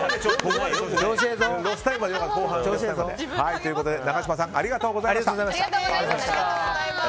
ということで永島さんありがとうございました。